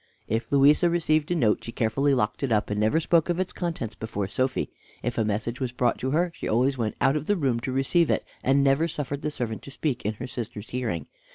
If Louisa received a note she carefully locked it up, and never spoke of its contents before Sophy. If a message was brought to her she always went out of the room to receive it, and never suffered the servant to speak in her sister's hearing.